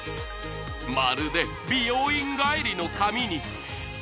まるで美容院帰りの髪に！